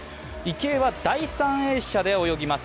池江は第３泳者で泳ぎます。